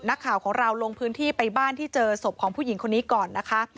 นักข่าวของเราลงพื้นที่ไปบ้านที่เจอศพของผู้หญิงคนนี้ก่อนนะคะ